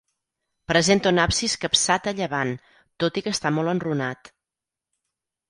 Presenta un absis capçat a llevant, tot i que està molt enrunat.